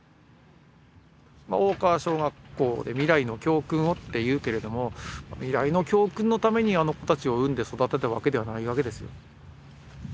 大川小学校で未来の教訓をって言うけれども未来の教訓のためにあの子たちを産んで育てたわけではないわけですよ。